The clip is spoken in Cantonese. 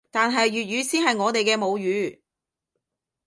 但係粵語先係我哋嘅母語